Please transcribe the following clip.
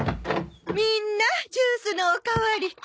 みんなジュースのおかわり。